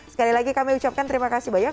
sekali lagi kami ucapkan terima kasih banyak